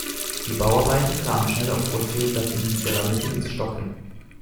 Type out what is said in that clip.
Die Bauarbeiten kamen schnell aufgrund fehlender finanzieller Mittel ins Stocken.